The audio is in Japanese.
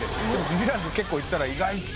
ビビらず結構いったら意外と。